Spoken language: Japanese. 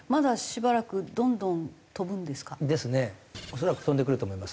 恐らく飛んでくると思います。